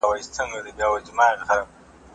چې د پايزېب د شرنگولو کيسه ختمه نه ده